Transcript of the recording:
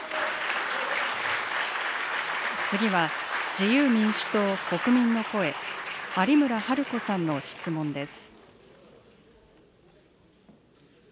次は、自由民主党・国民の声、有村治子さんの質問です。